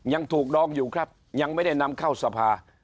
ยังถูกดองอยู่ครับยังไม่ได้นำเข้าสภา